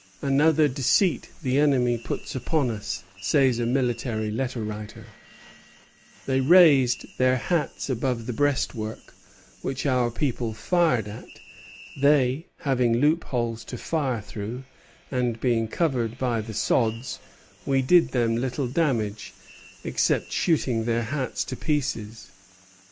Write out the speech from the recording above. "Another deceit the enemy put upon us," says a military letter writer: "they raised their hats above the breastwork, which our people fired at; they, having loopholes to fire through, and being covered by the sods, we did them little damage, except shooting their hats to pieces."